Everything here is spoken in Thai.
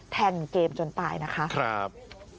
แทนเกมจนตายนะคะค่ะครับ